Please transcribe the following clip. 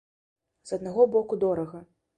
З аднаго боку дорага.